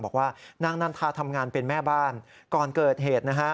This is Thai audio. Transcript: บอกว่านางนันทาทำงานเป็นแม่บ้านก่อนเกิดเหตุนะฮะ